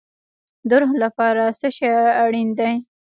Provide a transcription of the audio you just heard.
د روح لپاره څه شی اړین دی؟